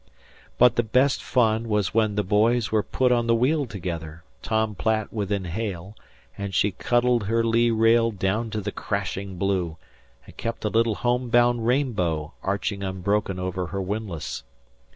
But the best fun was when the boys were put on the wheel together, Tom Platt within hail, and she cuddled her lee rail down to the crashing blue, and kept a little home made rainbow arching unbroken over her windlass.